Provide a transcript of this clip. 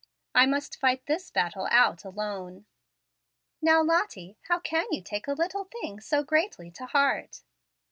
I must fight this battle out alone." "Now, Lottie, how can you take a little thing so greatly to heart?"